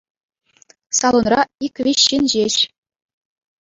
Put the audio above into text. Салонра ик-виҫ ҫын ҫеҫ.